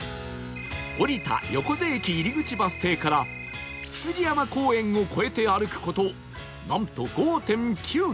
降りた横瀬駅入口バス停から羊山公園を越えて歩く事なんと ５．９ キロ